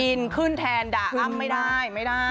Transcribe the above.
อินขึ้นแทนด่าอ้ำไม่ได้ไม่ได้